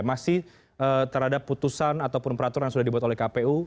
masih terhadap putusan ataupun peraturan yang sudah dibuat oleh kpu